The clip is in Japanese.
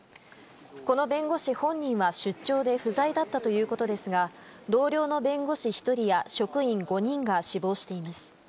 この弁護士本人は出張で不在だったということですが同僚の弁護士１人や職員５人が死亡しています。